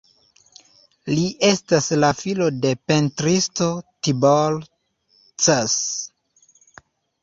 Li estas la filo de pentristo Tibor Cs.